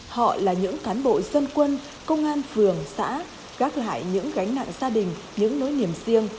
họ là những cán bộ dân quân công an phường xã gác lại những gánh nặng gia đình những nỗi niềm riêng